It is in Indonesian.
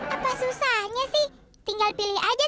apa susahnya sih tinggal pilih aja